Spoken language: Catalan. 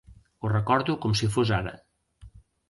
Ho recordo com si fos ara.